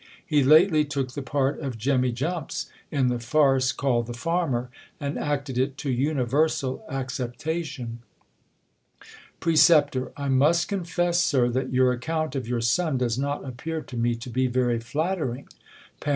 He lately took the part of Jemmy Jumps, in the farce called The Farmer, and acted it to universal acceptation. Precep. I must confess, Sir, that your account of your son does not appear to me to be very flattering. Par.